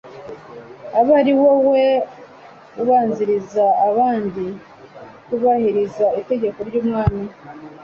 abe ari wowe ubanziriza abandi kubahiriza itegeko ry'umwami